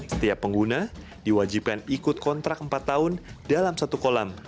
setiap pengguna diwajibkan ikut kontrak empat tahun dalam satu kolam